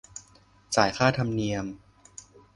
จ่ายค่าธรรมเนียม